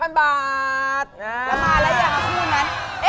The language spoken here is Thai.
แล้วมาอะไรอย่างกับคุณนั้น